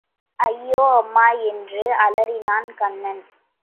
ஐயோ அம்மா என்று அலறினான் கண்ணன்.